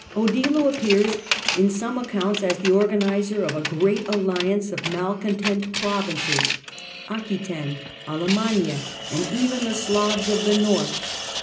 Odilo appears in some accounts as the organiser of a great alliance of malcontent provinces — Aquetaine, Alemannia and even the Slavs of the North.